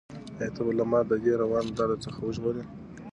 ایا ته به ما له دې روان درد څخه وژغورې؟